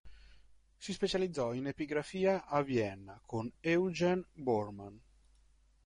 Si specializzò in epigrafia a Vienna con Eugen Bormann.